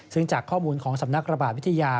ซึ่งจากข้อมูลของสำนักระบาดวิทยา